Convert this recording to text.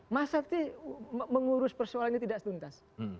masa sih mengurus persoalannya tidak tuntas